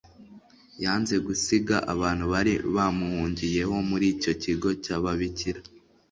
yanze gusiga abantu bari bamuhungiyeho muri icyo kigo cy'ababikira